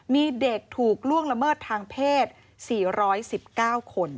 มีเด็กถูกล่วงละเมิดทางเพศ๔๑๙คน